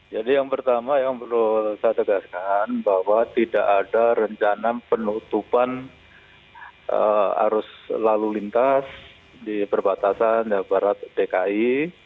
jadi yang pertama yang perlu saya tegaskan bahwa tidak ada rencana penutupan arus lalu lintas di perbatasan jawa barat dki